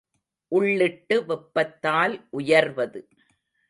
உள்ளிட்டு வெப்பத்தால் உயர்வது.